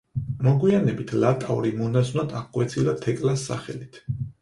მოგვიანებით ლატავრი მონაზვნად აღკვეცილა თეკლას სახელით.